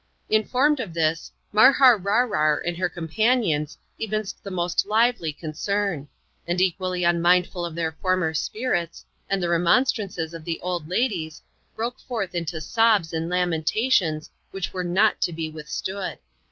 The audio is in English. Informed of this, Marhar Rarrar and her companions evinced the most lively concern ; and equally unmindful of their former spirits, and the remonstrances of the old ladies, broke forth into sobs and lamentations, which were nbt to be withstood.